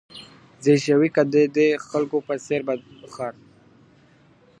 زېږوې که د دې خلکو په څېر بل خر .